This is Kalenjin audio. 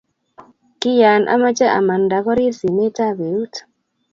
Kianmeche amanda korir simet ab eut